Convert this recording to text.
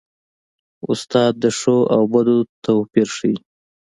استاد د ښو او بدو توپیر ښيي.